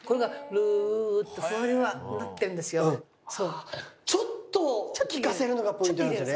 ああちょっと利かせるのがポイントなんですね。